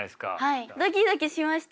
ドキドキしました。